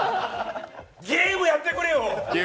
ゲームやってくれよ！